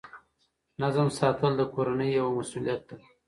نظم ساتل د کورنۍ یوه مسؤلیت ده.